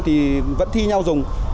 thì vẫn thi nhau dùng